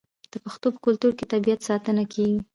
د پښتنو په کلتور کې د طبیعت ساتنه کیږي.